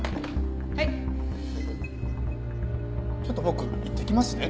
ちょっと僕いってきますね。